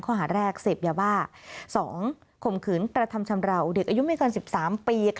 ข้อหาแรกเสพยาบ้า๒ข่มขืนกระทำชำราวเด็กอายุไม่เกิน๑๓ปี